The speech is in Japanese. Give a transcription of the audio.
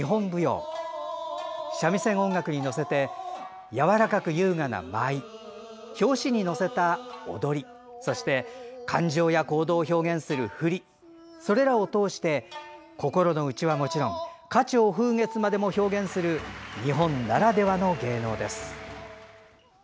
長唄などの三味線音楽にのせてやわらかく優雅な舞拍子に合わせた踊りそして感情や行動を表現する振りそれらを通して心の内はもちろん花鳥風月までも表現する日本ならではの芸能です。